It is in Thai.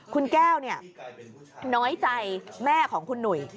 คุณแก้วน้อยใจแม่ของคุณหนุ่ย